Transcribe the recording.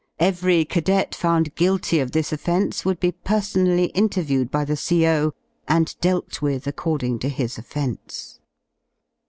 Every cadet found guilty of this offence would be personally interviewed by the CO. a7id dealt with according to his offence.